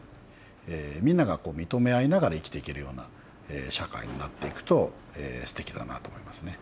みんなが認め合いながら生きていけるような社会になっていくとすてきだなと思いますね。